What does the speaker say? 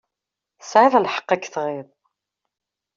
Tesεiḍ lḥeqq ad k-tɣiḍ.